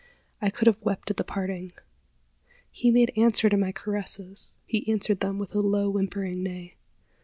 I could have wept at the parting. He made answer to my caresses: he answered them with a low whimpering neigh.